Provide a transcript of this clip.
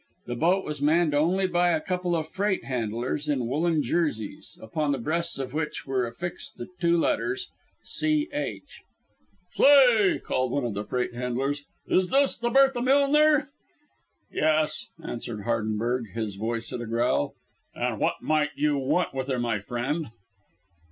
The boat was manned only by a couple of freight handlers in woolen Jerseys, upon the breasts of which were affixed the two letters "C.H." "Say," called one of the freight handlers, "is this the Bertha Millner?" "Yes," answered Hardenberg, his voice at a growl. "An' what might you want with her, my friend?"